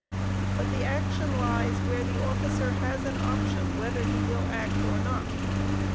But the action lies where the officer has an option whether he will act or not.